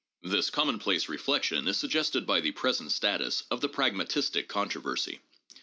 This commonplace reflection is sug gested by the present status of the pragmatistic controversy.